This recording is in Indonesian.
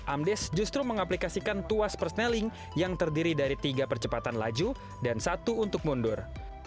amdes justru mengaplikasikan tuas persneling yang terdiri dari tiga percepatan laju dan satu untuk mundur